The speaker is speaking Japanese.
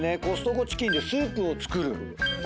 コストコチキンでスープを作る。